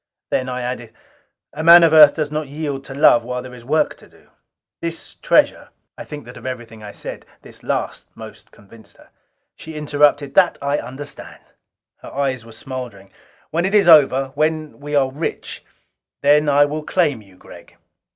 Then I added, "A man of Earth does not yield to love while there is work to do. This treasure " I think that of everything I said, this last most convinced her. She interrupted, "That I understand." Her eyes were smoldering. "When it is over when we are rich then I will claim you, Gregg."